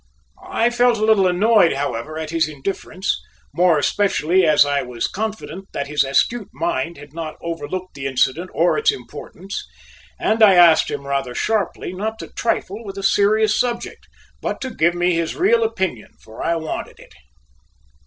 I felt a little annoyed, however, at his indifference, more especially as I was confident that his astute mind had not overlooked the incident or its importance, and I asked him rather sharply not to trifle with a serious subject, but to give me his real opinion, for I wanted it.